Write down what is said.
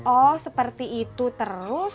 oh seperti itu terus